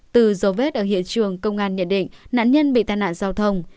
từ dấu vết ở hiện trường công an nhận định nạn nhân bị tai nạn giao thông